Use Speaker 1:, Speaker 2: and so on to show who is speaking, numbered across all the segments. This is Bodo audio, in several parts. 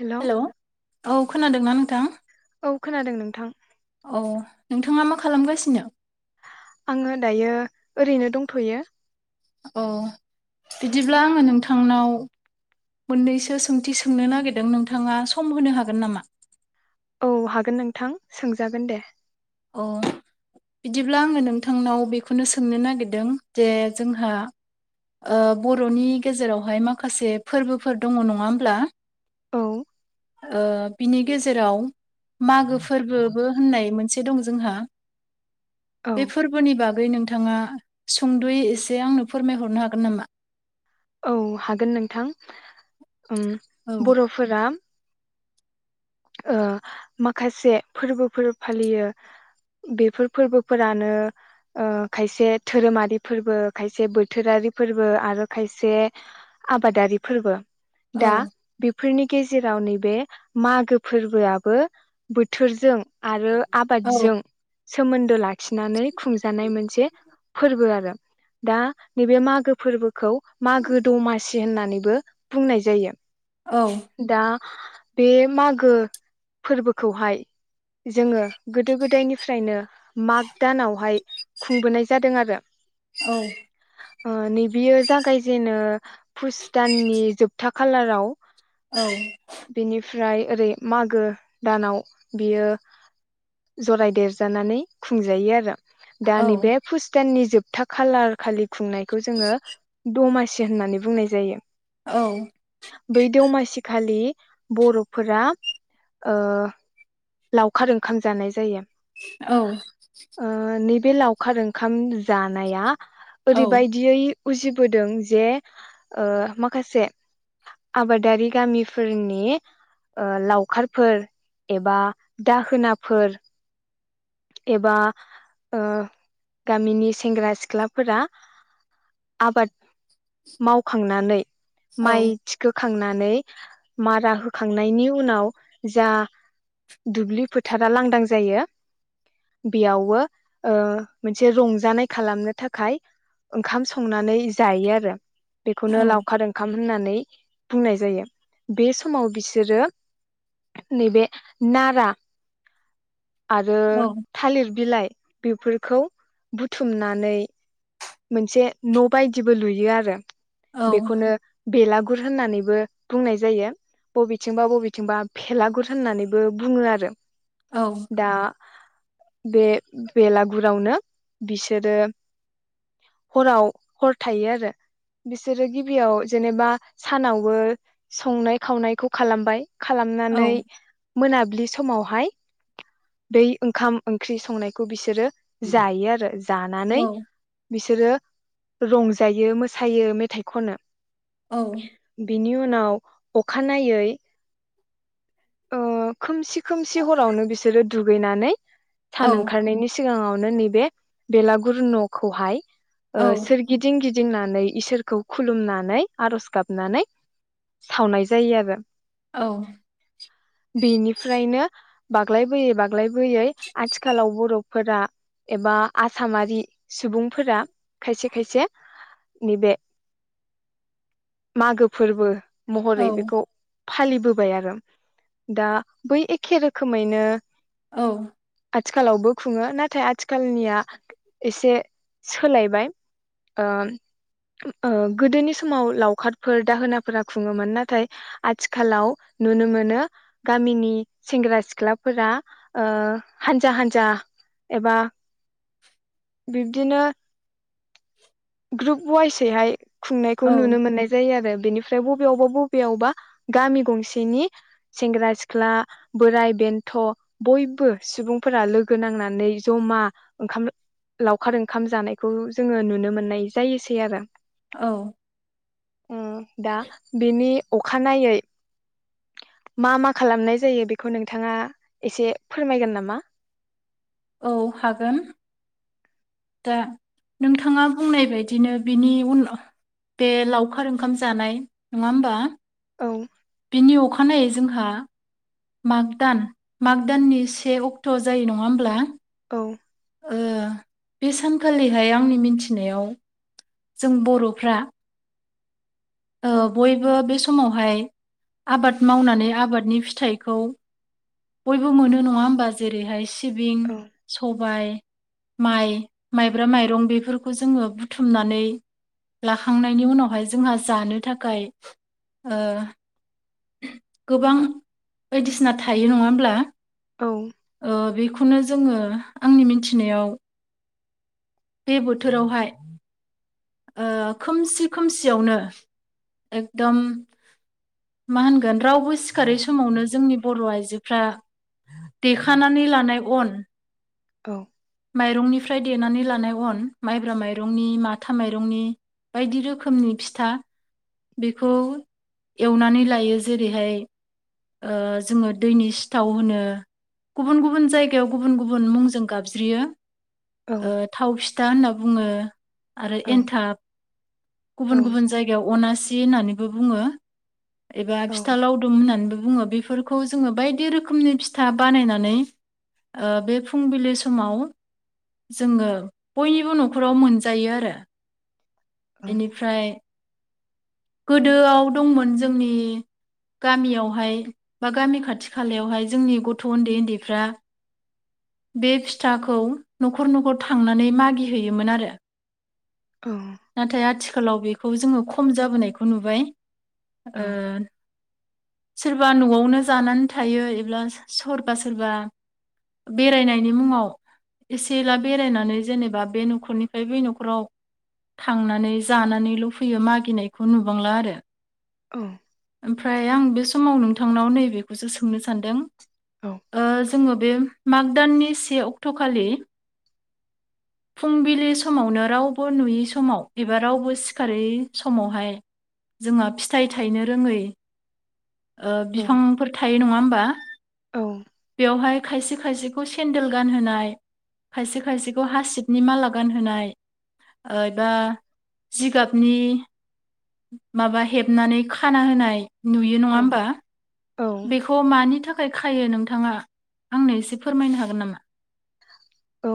Speaker 1: हेलौ
Speaker 2: हेल' औ खोनादों ना नोंथां?
Speaker 1: औ खोनादों नोंथां।
Speaker 2: औ नोंथाङा मा खालामगासिनो?
Speaker 1: आङो दायो ओरैनो दंथ'यो।
Speaker 2: औ बिदिब्ला आङो नोंथांनाव मोननैसो सोंथि सोंनो नागिरदों नोंथाङा सम होनो हागोन नामा?
Speaker 1: औ हागोन नोंथां सोंजागोन दे।
Speaker 2: अ बिदिब्ला आङो नोंथांनाव बेखौनो सोंनो नागिरदों जे जोंहा ओ बर'नि गेजेरावहाय माखासे फोरबोफोर दङ नङा होमब्ला
Speaker 1: औ
Speaker 2: ओ बिनि गेजेराव मागो फोरबोबो होननाय मोनस से दं जोंहा।
Speaker 1: औ
Speaker 2: बे फोरबोनि बाग आगै नोंथाङा सुंद'यै एसे आंनो फोरमायहरनो हागोन नामा?
Speaker 1: औ हागोन नोंथां। उम
Speaker 2: औ
Speaker 1: बर'फोरा ओ माखासे फोरबोफोर फालियो बेफोर फोरबोफोरानो ओ खायसे धोरोमारि फोरबो खायसे बोथोरारि फोरबो आरो खायसे आबादारि फोरबो।
Speaker 2: औ
Speaker 1: दा बिब फोरनि गेजेराव नैबे मागो फोरबोआबो बोथोरजों आरो आबादजों
Speaker 2: औ
Speaker 1: सोमोन्दो लाखिनानै खुंजानाय मोनसे फोरबो आरो दा नैबे मागो फोरबो खौ मागो दमासि होननानैबो बुंनाय जायो।
Speaker 2: औ
Speaker 1: दा बे माग गो फोरबोखौहाय जोङो गोदो गोदायनिफ्रायनो माग दानावहाय खुंबोनाय जादों आरो।
Speaker 2: औ
Speaker 1: ओ नैबेयो जागायजेनो पुस दाननि जोबथा खालाराव।
Speaker 2: औ
Speaker 1: फ्राय ओरै मागो दानाव बियो जरायदेरजानानै खुंजायो आरो। दा
Speaker 2: औ
Speaker 1: नैबे फुस दाननि जोब था खालार खालि खुंनायखौ जोङो दमासि होननानै बुंनाय जायो।
Speaker 2: औ
Speaker 1: बै दमासि खालि बर'फोरा ओ लावखार ओंखाम जानाय जायो।
Speaker 2: औ।
Speaker 1: बे लावखार ओंखाम जानाया
Speaker 2: औ
Speaker 1: ओरैबायदियै उजिबोदों जे माखासे आबादारि गामिफोरनि लाव अखारफोर एबा दाहोनाफोर एबा गामिनि सेंग्रा सिख्लाफोरा आबाद मावखांनानै
Speaker 2: औ
Speaker 1: माइथिखो खांनानै मारा होखांनायनि उनाव जा दुब्लि फोथारा लांदां जायो बेयावबो मोनसे रंजानाय खालामनो थाखाय ओंखाम संनानै जायो आरो। बेखौनो लावखार ओंखाम। होननानै बुंनाय जायो बे समाव बिसोरो नैबे नारा आरो
Speaker 2: औ
Speaker 1: थालिर बिलाइ बेफोरखौ बुथुमनानै मोनसे न' बायदिबो लुयो आरो बेखौनो बेलागुर होननानैबो बुंनाय जायो बबेथिंबा बबेथिंबा भेलागुर होननानैबो बुङो आरो।
Speaker 2: औ।
Speaker 1: दा बे बेलागुरावनो बिसोरो हराव हर थायो आरो बिसोरो गिबियाव जेनेबा सानावबो संनाय खावनायखौ खालामबाय खालामनानै मोनाबिलि समावहाय। दै ओंखाम ओंख्रि संनायखौ बिसोरो। जायो आरो जानानै। बिसोरो रंजायो मोसायो मेथाइ खनो। बिनि। अखानायै खोमसि खोमसि हरावनो बिसोर। बिसोरो दुगैनानै। सान ओंखारनायनि। सिगाङावनो नैबे बेलागुर न'खौहाय। सोरगिदिं गिदि। गिदिंनानै इसोरखौ खुलुमनानै आर'ज गाबनानै सावनाय जायो आरो।
Speaker 2: औ।
Speaker 1: बेनिफ्रायनो ब। बाग्लायबोयै बाग्लायबोयै आथिखालाव बर'फोरा एबा आसामारि सुबुंफोरा खायसे खायसे नैबे मागो फोरबो। महरै बेखौ। फालिबोबाय आरो दा बै एखे रोखोम। खैनो।
Speaker 2: औ।
Speaker 1: आथिखालावबो खुङो नाथाय आथिखालनिया एसे सोलायबाय गोदोनि समाव लावखारफोर दाहोनाफोरा खुङोमोन नाथाय आथिखालाव नुनो मोनो गामिनि सेंग्रा सिख्ला ख्लाफोरा ओ हानजा हानजा एबा बिब्दिनो ग्रुप वाइसैहाय खुंनायखौ नुनो
Speaker 2: औ
Speaker 1: मोननाय जायो आरो बेनिफ्राय बबेयावबा बबेयावबा गामि गंसेनि सेंग्रा सिख्ला बोराय बेन्थ बयबो सुबुंफोरा लोगो नांनानै जमा ओंखाम लावखार ओंखाम जानायखौ जोङो नुनो मोन नाय जायोसै आरो
Speaker 2: औ
Speaker 1: उम दा बेनि अखानायै मा मा खालामनाय जायो बेखौ नोंथाङा एसे फोरमायगोन नामा
Speaker 2: औ हागोन दा नोंथाङा बुंनाय बायदिनो बिनि उनाव बे लावखार ओंखाम जानाय नङा होमबा
Speaker 1: औ
Speaker 2: बिनि अखा नायै जोंहा माग दान माग दाननि से अक्ट जायो नङा होमब्ला
Speaker 1: औ
Speaker 2: ओ बे सानखालिहाय आंनि मिथिनायाव जों बर'फ्रा ओ बयबो बे समावहाय आबाद मावनानै आबादनि फिथाइखौ बयबो मोनो नङा होमबा जेरैहाय सि सिबिं
Speaker 1: औ
Speaker 2: सबाय माइ माइब्रा माइरं बेफोरखौ जोङो बुथुमनानै लाखांनायनि उनावहाय जोंहा जानो थाखाय ओ गोबां बायदिसिना थायो नङा होमब्ला
Speaker 1: औ
Speaker 2: ओ बे खु खौनो जोङो आंनि मिथिनायाव बे बोथोरावहाय ओ खोमसि खोमसियावनो एकदम मा होनगोन रावबो सिखारै समावनो जोंनि बर आइजोफ्रा देखानानै लानाय अन
Speaker 1: औ
Speaker 2: माइरंनिफ्राय देनानै लानाय अन माइब्रा माइरंनि माथा माइरंनि बायदि रोखोमनि फिथा बेखौ एवनानै लायो जेरैहाय ओ जोङो दैनि सिथाव होनो गुबुन गुबुन जायगायाव गुबुन गुबुन मुंजों गाबज्रियो
Speaker 1: औ
Speaker 2: ओ थाव फि दा होनना बुङो आरो
Speaker 1: औ
Speaker 2: एन्थाब
Speaker 1: औ
Speaker 2: गुबुन गुबुन जायगायाव अनासि दि होननानैबो बुङो एबा
Speaker 1: औ
Speaker 2: फिथा लावदुम हुननानैबो बुङो बेफोरखौ जोङो बायदि रोखोमनि फिथा बानायनानै ओ बे फुंबिलि समाव जोङो बयनिबो नखराव मोनजायो आरो
Speaker 1: औ
Speaker 2: एनिफ्राय गोदोआव दंमोन जोंनि गामियावहाय बा गामि खाथि खालायावहाय जोंनि गथ' उन्दै उन्दैफ्रा बे फिथाखौ नखर नखर थांनानै मागिहैयोमोन आरो
Speaker 1: औ
Speaker 2: नाथाय आथि खालाव बेखौ जोङो खम जाबोनायखौ नुबाय ओन सोरबा न'आवनो जानानै थायो एब्ला स-सरबा सोरबा बेरायनायनि मुङाव एसे एला बेरायनानै जेनेबा बे नख'रनिफ्राय बै नख'राव थांनानै जानानैल' फैयो मागिनायखौ नुबांला आरो
Speaker 1: औ
Speaker 2: ओमफ्राय आं बे समाव नोंथांनाव नैबेखौसो सोंनो सानदों ओ जोङो बे माग दाननि से अक्ट' खालि फुंबिलि समावनो रावबो नुयै समाव एबा रावबो सिखारै समावहाय जोहा फिथाइ थायनो रोङै ओ बिफांफोर थायो नङा होमबा
Speaker 1: औ
Speaker 2: बेवहाय खायसे खायसेखौ सेन्देल गानहोनाय खायसे खायसेखौ हासिब नि माला गानहोनाय एबा जिगाबनि माबा हेबनानै खाना होनाय नुयो नङा होमबा
Speaker 1: औ
Speaker 2: बिखौ मा मानि थाखाय खायो नोंथाङा आंनो एसे फोरमायनो हागोन नामा
Speaker 1: औ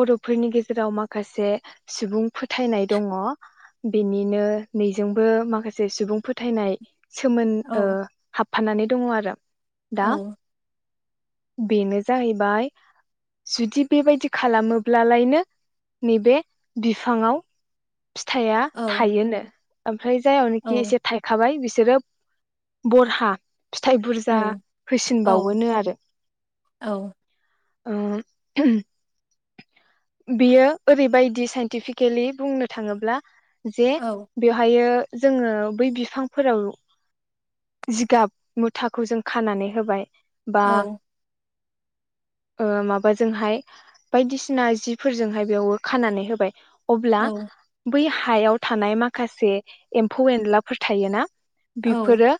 Speaker 1: बर'फोरनि गेजेराव माखासे सुबुं फोथायनाय दङ बेनिनो नैजोंबो माखासे सुबुं फोथायनाय सोमोन
Speaker 2: औ
Speaker 1: ओ हाब फाननानै दङ आरो दा
Speaker 2: औ
Speaker 1: बेनो जाहैबाय जुदि बेबायदि खालामोब्लालायनो नैबे बिफाङाव फिथाइया
Speaker 2: औ
Speaker 1: थायोनो ओमफ्राय जायावनोखि
Speaker 2: औ
Speaker 1: एसे थायखाबाय बि बिसोरो बरहा फिथाइ बुरजा
Speaker 2: औ औ
Speaker 1: होसिनबावोनो आरो
Speaker 2: औ
Speaker 1: ओ बियो ओरैबायदि साइन्टिफिकेलि बुंनो थाङोब्ला जे
Speaker 2: औ
Speaker 1: बेवहायो जोङो बै बिफांफोराव जिगाब मुथाखौ जों खानानै होबाय बा
Speaker 2: औ
Speaker 1: ओ माबाजोंहाय बायदिसिना जिफोरजोंहाय बेयावबो खानानै होबाय
Speaker 2: औ
Speaker 1: बै हायाव थानाय माखासे एम्फौ एनलाफोर थायोना
Speaker 2: औ
Speaker 1: बेफोरो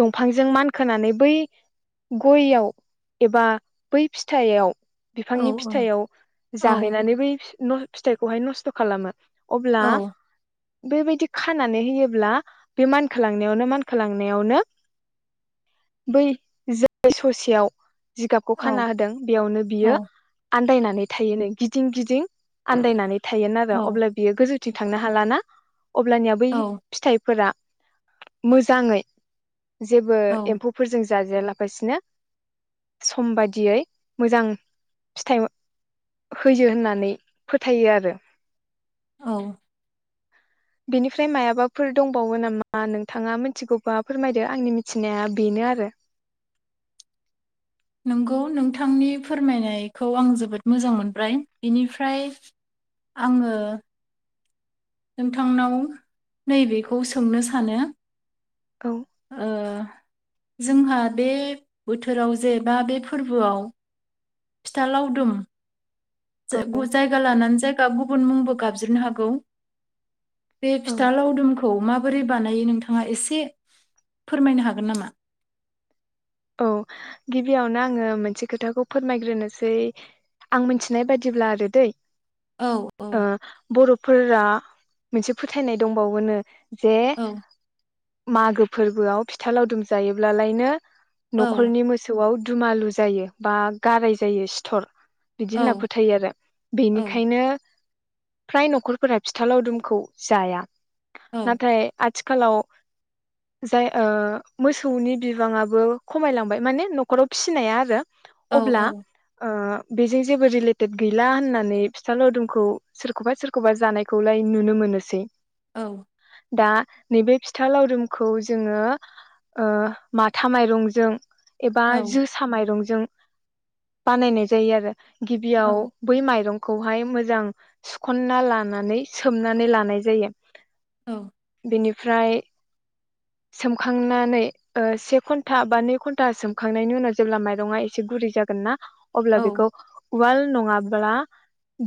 Speaker 1: दंफांजों मानखोनानै बै गययाव एबा बै फिथाइयाव बिफांनि
Speaker 2: औ
Speaker 1: फिथाइयाव
Speaker 2: औ
Speaker 1: जाहैनानै बै न फिथखौहाय नस्थ' खालामो अब्ला
Speaker 2: औ
Speaker 1: बेबायदि खानानै होयोब्ला बे मानखोलांनायावनो मानखोलांनायावनो बै [unintelligible] ससेयाव जिगाबखौ खाना होदों बेयावनो बियो आन्दायनानै थायोनो गिदिं गिदिं आन्दायनानै थायो अब्ला बियो गोजोन थिं थांनो हाला ना अब्लानिया बै
Speaker 2: औ
Speaker 1: फिथाइफोरा मोजाङै जेबो
Speaker 2: औ
Speaker 1: एम्फौफोरजों जाजाया लाफासिनो सम बायदियै मोजां फिथाइ होयो होननानै फोथायो आरो
Speaker 2: औ
Speaker 1: बेनिफ्राय मायाबाफोर दंबावो नामा नोंथाङा मिथिगौबा फोरमायदो आंनि मिथिनाया बेनो आरो
Speaker 2: नंगौ नोंथांनि फोरमायनायखौ आं जोबोद मोजां मोनबाय बेनिफ्राय आङो नोंथांनाव नैबेखौ सोंनो सानो
Speaker 1: औ
Speaker 2: [inaudible] ओ जोंहा बे बोथोराव जे बा बे फोरबोआव फिथा लावदुम
Speaker 1: औ
Speaker 2: जे ग जायगा लानानै जा जायगा गुबुन मुंबो गाबज्रिनो हागौ बे
Speaker 1: औ
Speaker 2: फिथा लावदुमखौ माबोरै बानायो नोंथाङा एसे फोरमायनो हागोन नामा?
Speaker 1: औ गिबियावनो आङो मोनसे खोथाखौ फोरमायग्रोनोसै आं मिथिनाय बादिब्ला आरो दै
Speaker 2: औ औ
Speaker 1: [inaudible] ओ बर फोरा मोनसे फोथायनाय दंबावोनो जे
Speaker 2: औ
Speaker 1: मागो फोरबोआव फिथा लावदुम जायोब्लालायनो
Speaker 2: औ
Speaker 1: नखरनि मोसौआव दुमालु जायो बा गाराय जायो सिथर बिदि
Speaker 2: औ
Speaker 1: होनना फोथायो आरो
Speaker 2: औ
Speaker 1: बेनिखायनो फ्राय नखरफोरा फिथा लावदुमखौ जाया।
Speaker 2: औ
Speaker 1: नाथाय आथ थिखालाव जाय ओ मोसौनि बिबाङाबो खमायलांबाय माने नखराव फिसिनाया आरो
Speaker 2: औ
Speaker 1: अब्ला
Speaker 2: औ
Speaker 1: ओ बेजों जेबो रिलेटेद गैला होननानै फिथा लावदुमखौ सोरखौबा सोरखौबा जानायखौलाय नुनो मोनोसै
Speaker 2: औ
Speaker 1: दा नैबे फिथा लावरुमखौ जोङो ओ माथा माइरं जों एबा जोसा माइरं जों बानायनाय जायो आरो। गिबियाव बै माइरं। खौहाय मोजां सुखन्ना लानानै सोमनानै लानाय जायो।
Speaker 2: औ।
Speaker 1: बिनिफ्राय सोमखांनानै ओ से गनथा। बा नै घन्टा सोमखांनायनि उनाव जेब्ला माइरंआ एसे गुरै जागोन ना।
Speaker 2: औ
Speaker 1: अब्ला बेखौ। उवाल नङाब्ला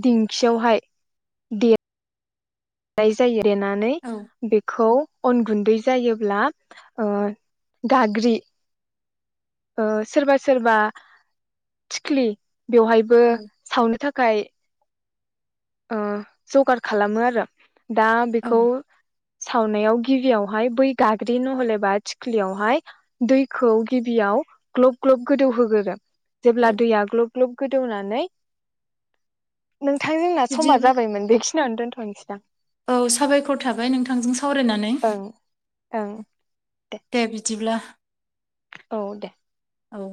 Speaker 1: दिंखियावहाय देर। नाय जायो। देनानै
Speaker 2: औ
Speaker 1: बेखौ। अन गुन्दै जायोब्ला ओ गाग्रि ओ सोरबा सोरबा थिख्लि। बेवहायबो सावनो था खाय ओ जगार खालामो आरो। दा
Speaker 2: औ
Speaker 1: बेखौ। सावनायाव गिबियावहाय बै गाग्रि नहलेबा थिख्लियावहाय दैखौ गिबियाव ग्लब ग्लब गोदौ होगोरो। जेब्ला
Speaker 2: औ
Speaker 1: दैया गल्ब। ग्लब गोदौनानै। नोंथां जोंना
Speaker 2: बिदि
Speaker 1: समा जाबायमोन [unintelligible] दोनथनोसै दां।
Speaker 2: औ साबायखर थाबाय नोंथांजों सावरायनानै।
Speaker 1: ओं ओं।
Speaker 2: दे बिदिब्ला।
Speaker 1: औ दे।
Speaker 2: औ।